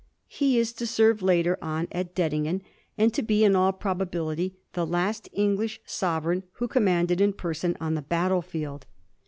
He is to serve later on at Dettingen, and to be in all probability the last English sovereign who commanded in person on the battlefield.